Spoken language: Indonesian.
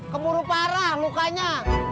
kemuruh parah lukanya